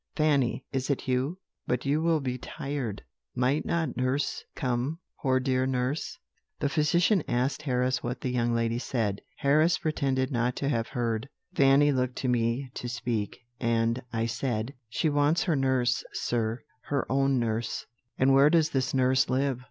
Fanny, is it you? but you will be tired. Might not nurse come, poor dear nurse?' The physician asked Harris what the young lady said. Harris pretended not to have heard. Fanny looked to me to speak, and I said: "'She wants her nurse, sir, her own nurse.' "'And where does this nurse live?'